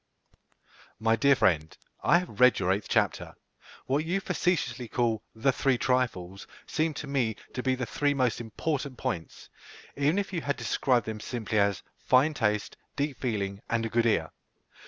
MY DEAR FRIEND, I have read your eighth chapter. What you facetiously call "the three trifles" seem to me to be three most important points, even if you had described them simply as fine taste, deep feeling, and a good ear.